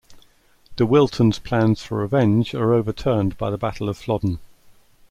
De Wilton's plans for revenge are overturned by the Battle of Flodden.